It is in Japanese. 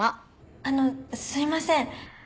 あのすいません。